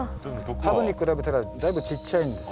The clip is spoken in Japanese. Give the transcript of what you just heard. ハブに比べたらだいぶちっちゃいんです。